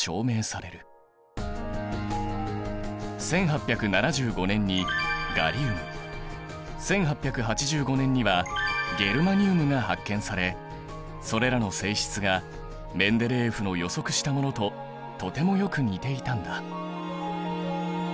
１８７５年にガリウム１８８５年にはゲルマニウムが発見されそれらの性質がメンデレーエフの予測したものととてもよく似ていたんだ。